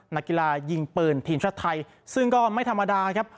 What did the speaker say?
นักกีฬายิงปืนทีมชาติไทยซึ่งก็ไม่ธรรมดาครับ